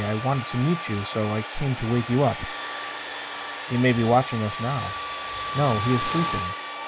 I wanted to meet you, so I came to wake you up." "He may be watching us now." "No. He is sleeping.